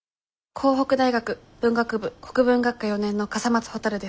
甲北大学文学部国文学科４年の笠松ほたるです。